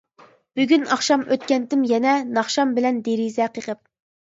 بۈگۈن ئاخشام ئۆتكەنتىم يەنە، ناخشام بىلەن دېرىزە قېقىپ.